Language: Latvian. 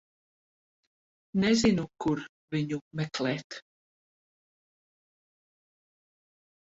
Nezinu, kur viņu meklēt.